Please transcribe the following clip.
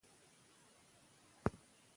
که ملاتړ وشي، ناروغان به هڅه وکړي.